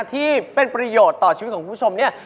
ที่เป็นประโยชน์ต่อชีวิตของคุณผู้ชมเนี่ย